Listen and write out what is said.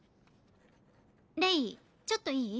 レイちょっといい？